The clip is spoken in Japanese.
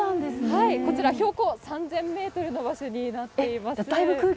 こちら、標高３０００メートルの場所になっています。